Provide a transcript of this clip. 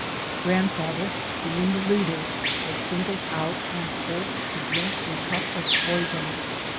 Grandfather, being the leader, was singled out and forced to drink a cup of poison.